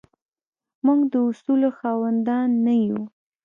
موږ د اصولو خاوندان نه یو.